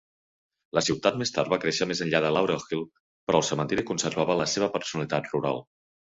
La ciutat més tard va créixer més enllà de Laurel Hill, però el cementiri conservava la seva personalitat rural.